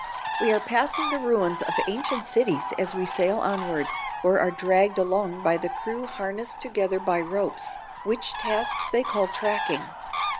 We are passing the ruins of ancient cities as we sail onward, or are dragged along by the crew harnessed together by ropes, which task they call tracking.